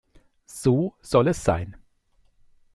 So soll es sein.